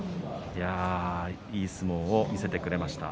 いやあ、いい相撲を見せてくれました。